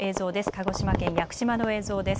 鹿児島県屋久島の映像です。